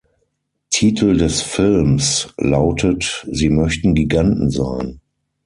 Titel des Films lautet "Sie möchten Giganten sein".